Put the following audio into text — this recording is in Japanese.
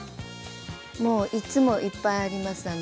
もういつもいっぱいあります。